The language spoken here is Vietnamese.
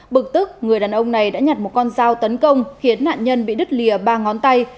bực tức người đàn ông này đã nhặt một con dao tấn công khiến nạn nhân bị đứt lìa ba ngón tay